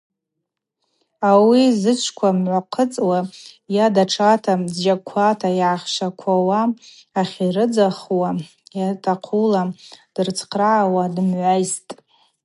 Ауи, зычвква мгӏвахъыцӏуа йа датша зджьакӏквата йгӏахьшваквауа ахьирыдзахуа, йатахъула дырцхърыгӏауа дымгӏвайситӏ.